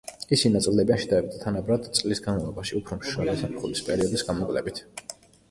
ისინი ნაწილდებიან შედარებით თანაბრად წლის განმავლობაში, უფრო მშრალი ზაფხულის პერიოდის გამოკლებით.